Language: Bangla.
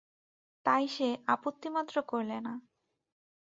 তাই সে আপত্তিমাত্র করলে না।